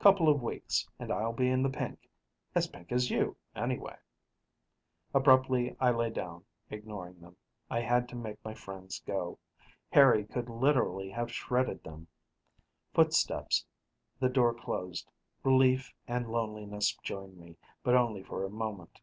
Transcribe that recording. Couple of weeks, and I'll be in the pink; as pink as you, anyway." Abruptly, I lay down, ignoring them. I had to make my friends go. Harry could literally have shredded them. Footsteps: the door closed; relief and loneliness joined me, but only for a moment.